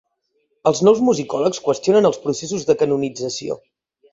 Els nous musicòlegs qüestionen els processos de canonització.